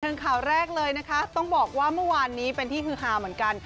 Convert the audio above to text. ข่าวแรกเลยนะคะต้องบอกว่าเมื่อวานนี้เป็นที่ฮือฮาเหมือนกัน